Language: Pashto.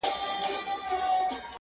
يوه د ميني زنده گي راوړي.